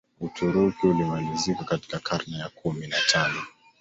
Uturuki ulimalizika katika karne ya kumi na tano